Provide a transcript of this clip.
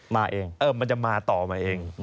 มาเองมันจะมาต่อมาเอง